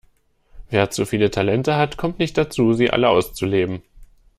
Wer zu viele Talente hat, kommt nicht dazu, sie alle auszuleben.